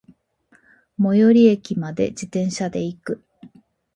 最寄駅まで、自転車で行く。